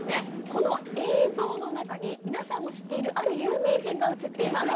この映像の中に皆さんの知っているある有名人が映っています